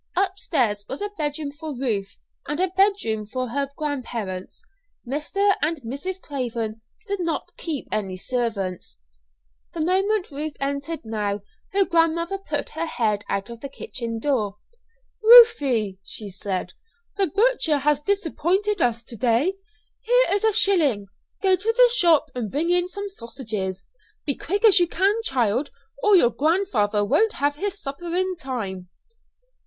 Upstairs was a bedroom for Ruth and a bedroom for her grandparents. Mr. and Mrs. Craven did not keep any servants. The moment Ruth entered now her grandmother put her head out of the kitchen door. "Ruthie," she said, "the butcher has disappointed us to day. Here is a shilling; go to the shop and bring in some sausages. Be as quick as you can, child, or your grandfather won't have his supper in time."